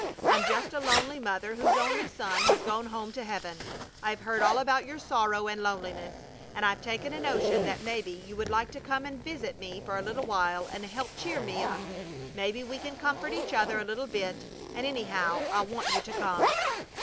I'm just a lonely mother whose only son has gone home to heaven. I've heard all about your sorrow and loneliness, and I've taken a notion that maybe you would like to come and visit me for a little while and help cheer me up. Maybe we can comfort each other a little bit, and, anyhow, I want you to come.